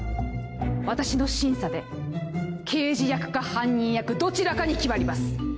私の審査で刑事役か犯人役どちらかに決まります。